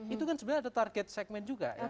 itu kan sebenarnya ada target segmen juga ya